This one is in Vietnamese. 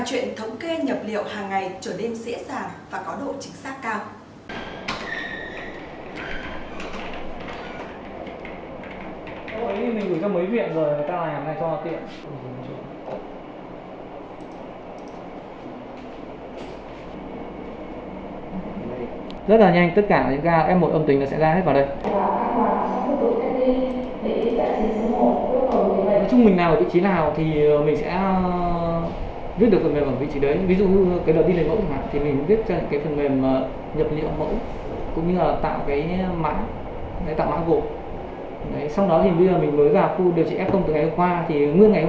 để tạo mã gỗ xong đó thì bây giờ mình mới vào khu điều trị f từ ngày hôm qua thì ngươi ngày hôm